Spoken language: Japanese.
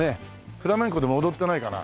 フラメンコでも踊ってないかな？